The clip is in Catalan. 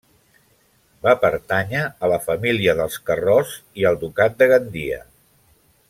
Va pertànyer a la família dels Carròs i al ducat de Gandia.